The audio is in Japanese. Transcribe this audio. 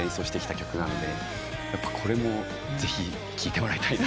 これもぜひ聴いてもらいたい。